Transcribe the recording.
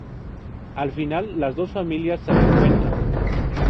Al final las dos familias se reencuentran.